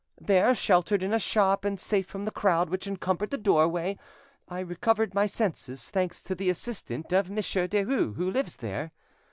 There, sheltered in a shop and safe from the crowd which encumbered the doorway, I recovered my senses, thanks to the assistance of Monsieur Derues, who lives there.